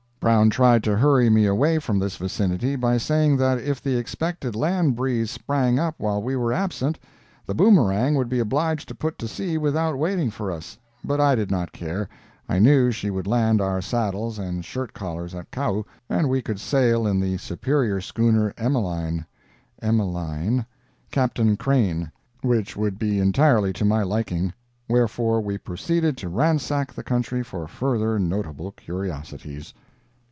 Brown tried to hurry me away from this vicinity by saying that if the expected land breeze sprang up while we were absent, the Boomerang would be obliged to put to sea without waiting for us; but I did not care; I knew she would land our saddles and shirt collars at Kau, and we could sail in the superior schooner Emmeline [Emeline], Captain Crane, which would be entirely to my liking. Wherefore we proceeded to ransack the country for further notable curiosities.